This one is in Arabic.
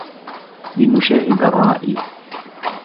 لنشاهد الرائي.